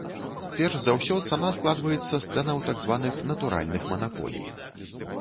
Перш за ўсё, цана складваецца з цэнаў так званых натуральных манаполій.